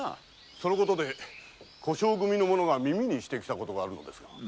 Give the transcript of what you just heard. その事で小姓組の者が耳にしてきた事があるのですが。